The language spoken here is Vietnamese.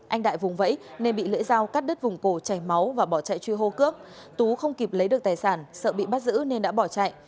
anh đại vùng vẫy nên bị lễ giao cắt đứt vùng cổ chảy máu và bỏ chạy truy hô cướp tú không kịp lấy được tài sản sợ bị bắt giữ nên đã bỏ chạy